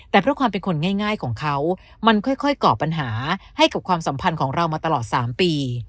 แต่เพราะความเป็นคนง่ายของเขามันค่อยก่อปัญหาให้กับความสัมพันธ์ของเรามาตลอด๓ปี